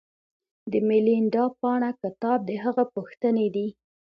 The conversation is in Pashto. د میلیندا پانه کتاب د هغه پوښتنې دي